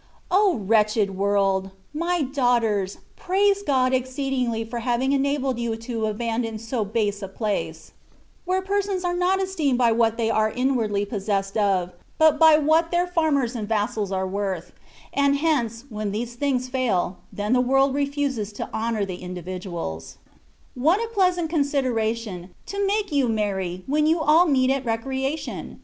O! wretched world; my daughters, praise God exceedingly for having enabled you to abandon so base a place, where persons are not esteemed by what they are inwardly possessed of, but by what * This sentence is very difficult in the Spanish. 112 THE WAY OF PERFECTION. their farmers and vassals are worth ; and hence^ when these things fail^ then the world refuses to honour the individuals. What a pleasant con sideration^ to make you merry^ when you all meet at recreation